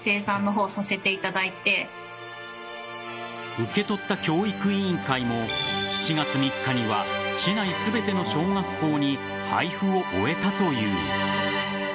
受け取った教育委員会も７月３日には市内全ての小学校に配布を終えたという。